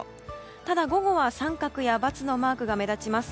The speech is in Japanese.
ただ、午後は△や×のマークが目立ちます。